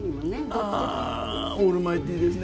あオールマイティーですね